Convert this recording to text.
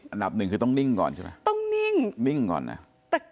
อันดับหนึ่งคือต้องนิ่งก่อนใช่ไหมต้องนิ่งนิ่งก่อนนะ